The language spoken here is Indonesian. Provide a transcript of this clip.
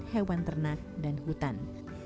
hewan ternak dan hutan